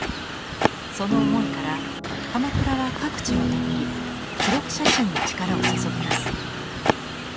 その思いから鎌倉は各地を巡り記録写真に力を注ぎます。